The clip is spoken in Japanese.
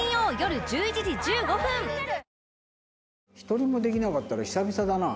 １人もできなかったら久々だな。